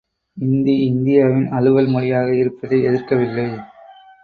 இந்தி, இந்தியாவின் அலுவல் மொழியாக இருப்பதை எதிர்க்கவில்லை.